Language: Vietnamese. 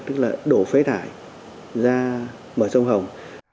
tức là đổ phế thải ra mở sông hồng